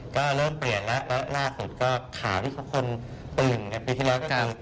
ก็เริ่มเปลี่ยนแล้วล่าสุดก็ขาวิทยุคคลปรึงในปีที่แล้วก็คือ